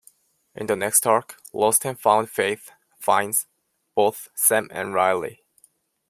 In the next arc "Lost and Found" Faith finds both Sam and Riley.